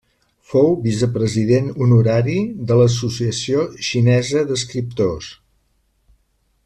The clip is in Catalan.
Fou vicepresident honorari de l'Associació xinesa d'Escriptors.